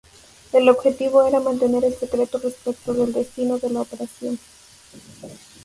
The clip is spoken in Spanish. El objetivo era mantener el secreto respecto del destino de la operación.